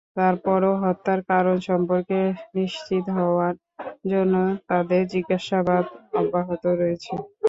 তারপরও হত্যার কারণ সম্পর্কে নিশ্চিত হওয়ার জন্য তাঁদের জিজ্ঞাসাবাদ অব্যাহত রয়েছে।